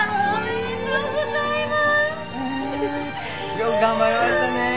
よく頑張りましたねえ。